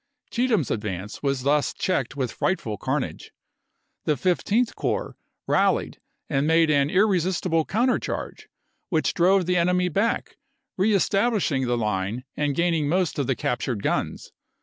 Cheatham's advance was thus checked with frightful carnage. The Fif teenth Corps rallied and made an irresistible counter charge, which drove the enemy back, re establishing the line and gaining most of the cap tured guns.